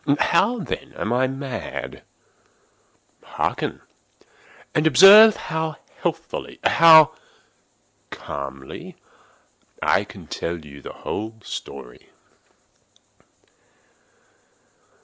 How, then, am I mad? Hearken! and observe how healthily—how calmly I can tell you the whole story.